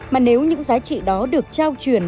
mà nếu những giá trị đó được trao truyền